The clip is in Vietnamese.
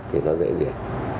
thì nó dễ diệt